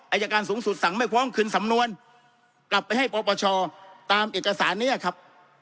อายการสูงสุดสั่งไม่ฟ้องคืนสำนวนกลับไปให้ปปชตามเอกสารนี้ครับ